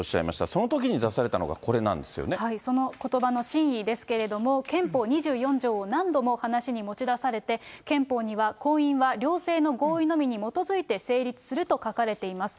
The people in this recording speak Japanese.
そのときに出されたのがこれなんそのことばの真意ですけれども、憲法２４条を何度も話に持ち出されて、憲法には婚姻は両性の合意のみに基づいて成立すると書かれています。